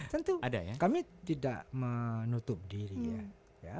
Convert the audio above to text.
tentu kami tidak menutup diri ya